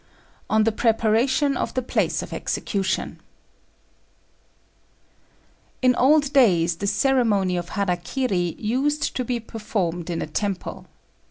] ON THE PREPARATION OF THE PLACE OF EXECUTION In old days the ceremony of hara kiri used to be performed in a temple.